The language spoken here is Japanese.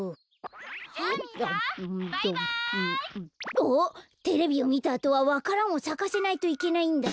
あっテレビをみたあとはわか蘭をさかせないといけないんだった。